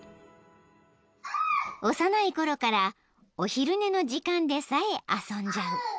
［幼いころからお昼寝の時間でさえ遊んじゃう］